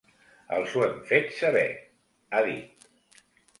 Els ho hem fet saber, ha dit.